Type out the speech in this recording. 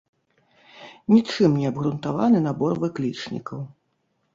Нічым не абгрунтаваны набор выклічнікаў.